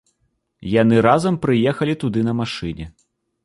Яны разам прыехалі туды на машыне.